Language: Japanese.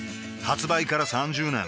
発売から３０年